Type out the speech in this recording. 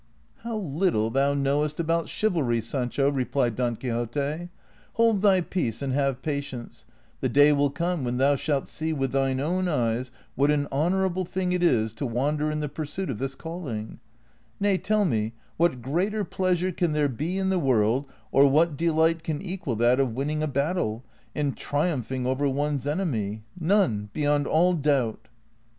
^'< How little thou knowest about chivalry, Sancho," replied Don Quixote; "hold thy peace and have patience; the day will come when thou shalt see with thine own eyes what an honorable thing it is to wander in the pursuit of this calling ; nay, tell me, what greater pleasure can there be in the Avorld, or what delight can equal that of winning a battle, and tri umphing over one's enemy ? None, beyond all doubt."